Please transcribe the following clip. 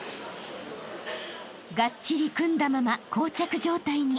［がっちり組んだまま膠着状態に］